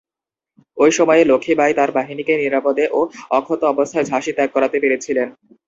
ঐ সময়ে লক্ষ্মী বাঈ তার বাহিনীকে নিরাপদে ও অক্ষত অবস্থায় ঝাঁসি ত্যাগ করাতে পেরেছিলেন।